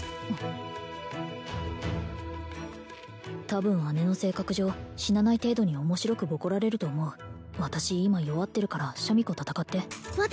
多分姉の性格上死なない程度に面白くボコられると思う私今弱ってるからシャミ子戦って私